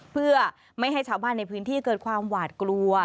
เพื่อไม่ให้ชาวบ้านในพื้นที่เกิดความหวาดกลัว